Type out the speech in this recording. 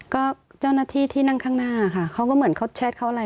ก็เจ้าหน้าที่ที่นั่งข้างหน้าค่ะเขาก็เหมือนเขาแชทเขาอะไร